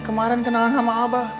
kemaren kenalan sama abah